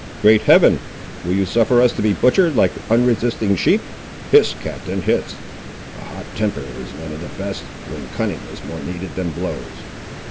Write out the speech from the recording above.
"Great Heaven! will you suffer us to be butchered like unresisting sheep?" "Hist, Captain, hist; a hot temper is none of the best, when cunning is more needed than blows.